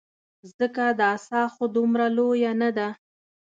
ځکه دا څاه خو دومره لویه نه ده.